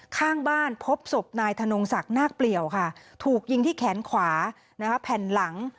ข้างบ้านพบศพนายธนงศักดิ์นาคเปลี่ยวค่ะถูกยิงที่แขนขวาแผ่นหลัง